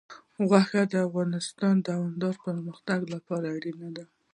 غوښې د افغانستان د دوامداره پرمختګ لپاره اړین دي.